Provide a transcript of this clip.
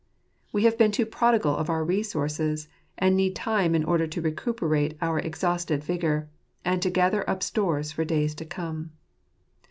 We have been too prodigal of our resources, and need time in order to recuperate our exhausted vigour, and to gather up stores for days to come.